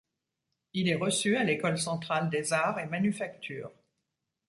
Il est reçu à l’École centrale des arts et manufactures.